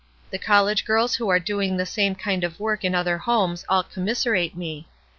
The college girls who are doing the same kind of work in other homes all commiserate me.